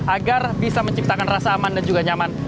agar bisa menciptakan rasa aman dan juga nyaman